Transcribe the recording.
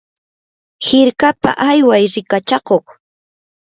hirkapa ayway rikachakuq.